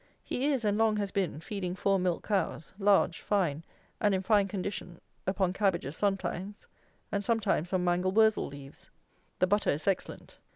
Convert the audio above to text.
He is, and long has been, feeding four milch cows, large, fine, and in fine condition, upon cabbages sometimes, and sometimes on mangel wurzel leaves. The butter is excellent.